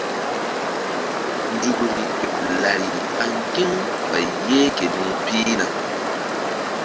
Nzukri ɓeɓ lari ɓa ŋgi̧-u ɓay yeh keni pihna.